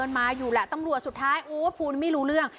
มันมาอยู่แหละตำรวจสุดท้ายโอ้พูดไม่รู้เรื่อง